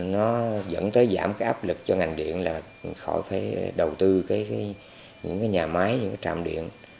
nó dẫn tới giảm cái áp lực cho ngành điện là khỏi phải đầu tư cái những cái nhà máy những cái trạm điện